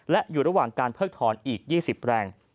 และอยู่ระหว่างการเพิกถอนอีก๒๐แรง